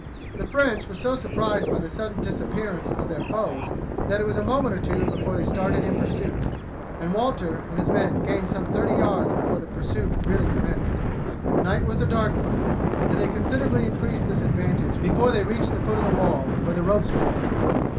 The French were so surprised by the sudden disappearance of their foes that it was a moment or two before they started in pursuit, and Walter and his men had gained some thirty yards before the pursuit really commenced. The night was a dark one, and they considerably increased this advantage before they reach the foot of the wall, where the ropes were hanging.